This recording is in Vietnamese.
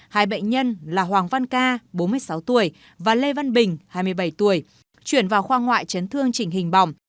hai bệnh nhân là hoàng văn ca bốn mươi sáu tuổi và lê văn bình hai mươi bảy tuổi chuyển vào khoa ngoại chấn thương chỉnh hình bỏng